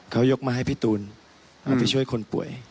เขายกมาให้พี่ตูนเอาไปช่วยคนป่วย